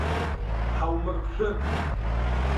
Ҳаумырԥшын!